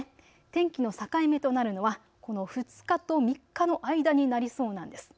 天気の境目となるのはこの２日と３日の間になりそうなんです。